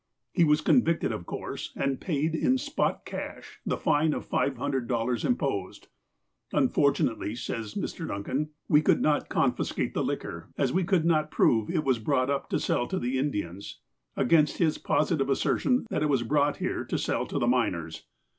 He was convicted, of course, and paid in ''spot cash" the fine of five hundred dollars imposed. "Unfortunately," says Mr. Duncan, "we could not confiscate the liquor, as we could not prove that it was brought up to sell to the Indians, against his positive assertion that it was brought here to sell to the miners."